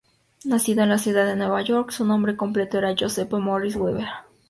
Nacido en la ciudad de Nueva York, su nombre completo era Joseph Morris Weber.